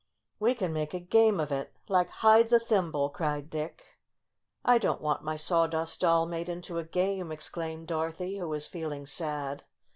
"We can make a game of it — like hide the thimble!" cried Dick. "I don't want my Sawdust Doll made into a game !" exclaimed Dorothy, who was feeling sad.